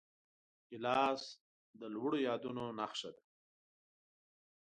ګیلاس د لوړو یادونو نښه ده.